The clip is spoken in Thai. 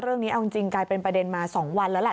เรื่องนี้เอาจริงกลายเป็นประเด็นมา๒วันแล้วแหละ